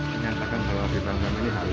dinyatakan kalau bipang jangkar ini halal